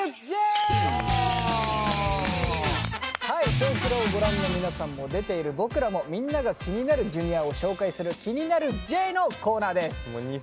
はい「少クラ」をご覧の皆さんも出ている僕らもみんなが気になるＪｒ．を紹介する「気になるＪ」のコーナーです。